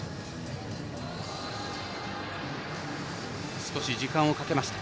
少し時間をかけました。